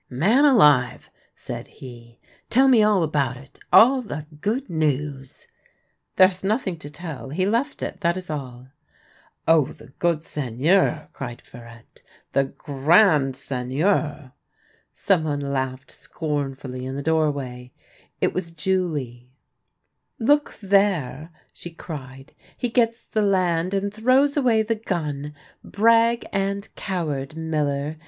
" Man alive !" said he ;" tell me all about it. Ah, the good news !"" There is nothing to tell : he left it ; that is all." PARPON THE DWARF 225 " Oh, the good Seigneur !" cried P^arette, " the grand Seigneur !" Some one laughed scornfully in the doorway. It was Julie. " Look there !" she cried :" he gets the land, and throws away the gun ! Brag and coward, miller